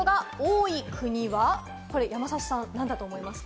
山里さん、なんだと思いますか？